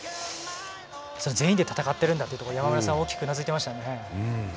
全員で戦っているというところ山村さん大きくうなずいてましたね。